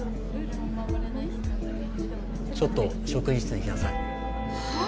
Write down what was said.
ちょっと職員室に来なさいはあ！？